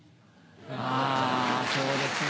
あそうですね